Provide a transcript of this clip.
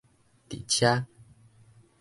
佇遮